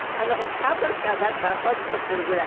乾燥機から出したらポッとするぐらい？